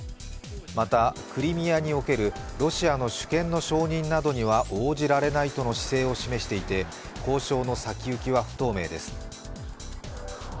また、クリミアにおけるロシアの主権の承認などには応じられないと話していて交渉の先行きは不透明です。